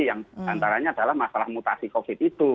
yang antaranya adalah masalah mutasi covid itu